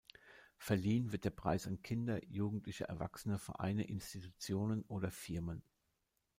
Verliehen wird der Preis an Kinder, Jugendliche, Erwachsene, Vereine, Institutionen oder Firmen.